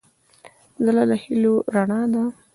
زړه د هيلو رڼا ده.